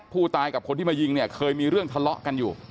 ผู้ตายกับคนที่มายิงเนี่ยเคยมีเรื่องทะเลาะกันอยู่